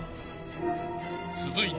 ［続いて］